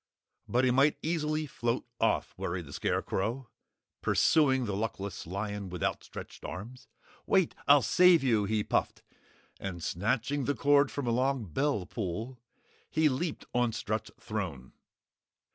"But he might easily float off," worried the Scarecrow, pursuing the luckless lion with outstretched arms. "Wait I'll save you!" he puffed, and snatching the cord from a long bell pull, he leaped on Strut's throne.